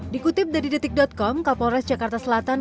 dikutip dari detik com kapolres jakarta selatan